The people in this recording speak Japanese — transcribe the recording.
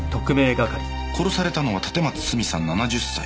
殺されたのは立松スミさん７０歳。